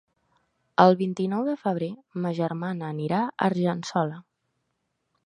El vint-i-nou de febrer ma germana anirà a Argençola.